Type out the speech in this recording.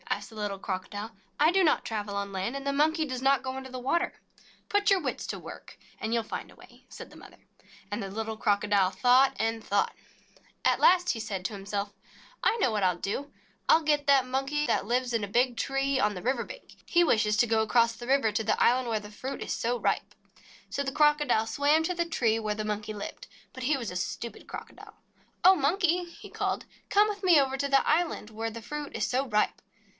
asked the little Crocodile. "I do not travel on land, and the Monkey does not go into the water." "Put your wits to work, and you '11 find a way," said the mother. And the little Crocodile thought and thought. 3 JATAKA TALES At last he said to himself : "I know what I '11 do. 1 '11 get that Monkey that lives in a big tree on the river bank. He wishes to go across the river to the island where the fruit is so ripe." So the Crocodile swam to the tree where the Monkey lived. But he was a stupid Crocodile. "Oh, Monkey," he called, "come with me over to the island where the fruit is so ripe."